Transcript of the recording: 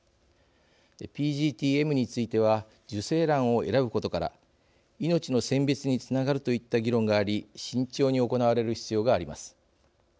ＰＧＴ−Ｍについては受精卵を選ぶことから命の選別につながるといった議論があり慎重に行われる必要があります。